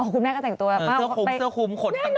อ๋อคุณแม่ก็แต่งตัวล่ะเออเสื้อคุมขนต่าง